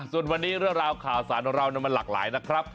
ส่วนวันนี้เรื่องราวข่าวสารของเรามันหลากหลายนะครับ